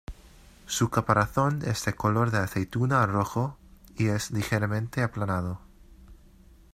Su caparazón es de color de aceituna a rojo, y es ligeramente aplanado.